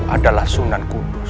adalah sunan kudus